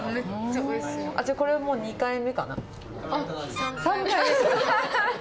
じゃあ、これはもう２回目かあっ、３回目。